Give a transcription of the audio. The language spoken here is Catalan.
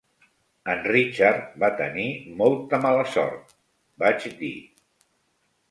En Richard va tenir molta mala sort, vaig dir.